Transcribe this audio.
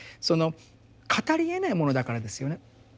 その語りえないものだからですよね。